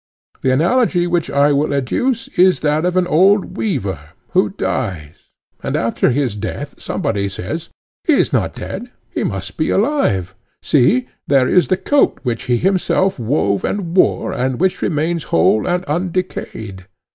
The analogy which I will adduce is that of an old weaver, who dies, and after his death somebody says:—He is not dead, he must be alive;—see, there is the coat which he himself wove and wore, and which remains whole and undecayed.